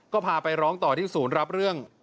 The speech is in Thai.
ก็พาไปร้องต่อที่ศูนย์รับเรื่อง